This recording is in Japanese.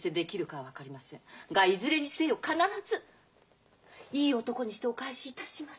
がいずれにせよ必ずいい男にしてお返しいたします。